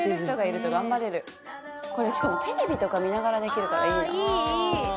これしかもテレビとか見ながらできるからいいな。